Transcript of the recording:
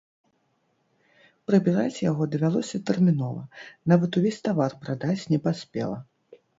Прыбіраць яго давялося тэрмінова, нават увесь тавар прадаць не паспела.